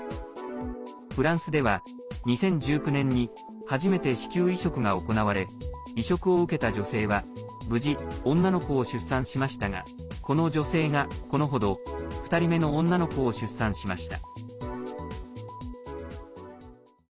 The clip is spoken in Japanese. フランスでは、２０１９年に初めて子宮移植が行われ移植を受けた女性は無事、女の子を出産しましたがこの女性が、この程２人目の女の子を出産しました。